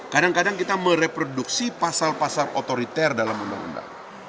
kadang kadang kita mereproduksi pasal pasal otoriter dalam undang undang